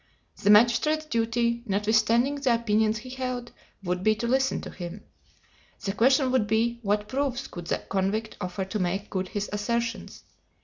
The magistrate's duty, notwithstanding the opinions he held, would be to listen to him. The question would be, what proofs could the convict offer to make good his assertions?